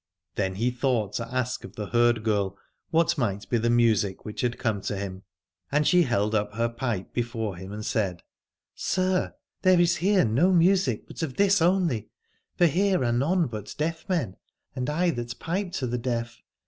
Then he thought to ask of the herd girl what might be the music which had come to him. And she held up her pipe before him and said : Sir, there is here no music but of this only : for here are none but deaf men, and I that pipe to the deaf.